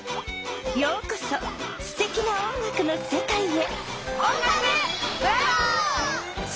ようこそすてきな音楽のせかいへ！